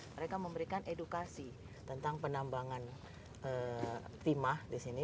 mereka memberikan edukasi tentang penambangan timah di sini